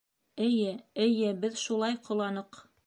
Эйе, эйе беҙ шулай ҡоланыҡ.